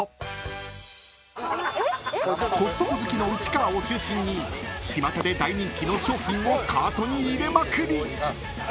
［コストコ好きの内川を中心にちまたで大人気の商品をカートに入れまくり！］